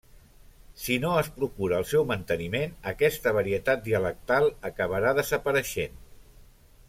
Si no es procura el seu manteniment, aquesta varietat dialectal acabarà desapareixent.